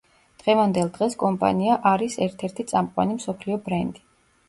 დღევანდელ დღეს კომპანია არის ერთ–ერთი წამყვანი მსოფლიო ბრენდი.